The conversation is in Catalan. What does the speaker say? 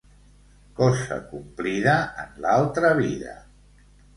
Cosa complida, en l'altra vida.